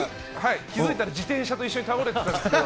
気付いたら自転車と一緒に倒れてたんですよ。